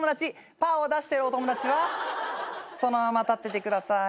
グーを出してるお友達はそのまま立っててください。